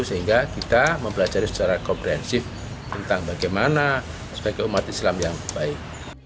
sehingga kita mempelajari secara komprehensif tentang bagaimana sebagai umat islam yang baik